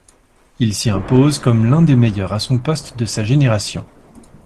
Il s’y impose comme l’un des meilleurs à son poste de sa génération.